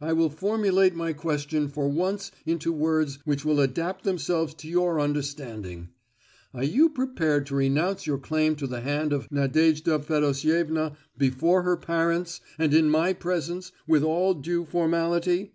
I will formulate my question for once into words which will adapt themselves to your understanding: Are you prepared to renounce your claim to the hand of Nadejda Fedosievna before her parents, and in my presence, with all due formality?"